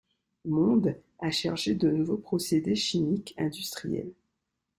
Mond a cherché de nouveaux procédés chimiques industriels.